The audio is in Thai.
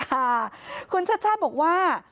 ค่ะคุณชัชชาติบอกว่า